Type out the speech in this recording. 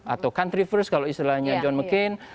atau country first kalau istilahnya john mccain